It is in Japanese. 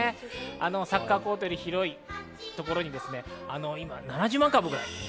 サッカーコートより広いところに７０万株ぐらい。